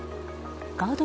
ガード